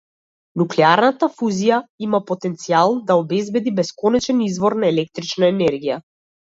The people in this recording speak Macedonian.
Нуклеарната фузија има потенцијал да обезбеди бесконечен извор на електрична енергија.